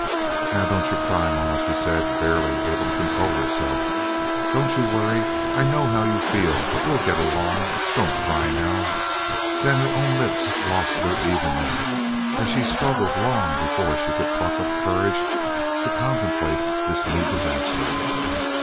"Now, don't you cry, ma," she said, barely able to control herself. "Don't you worry. I know how you feel, but we'll get along. Don't cry now." Then her own lips lost their evenness, and she struggled long before she could pluck up courage to contemplate this new disaster.